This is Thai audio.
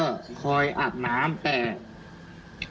พี่สาวอายุ๗ขวบก็ดูแลน้องดีเหลือเกิน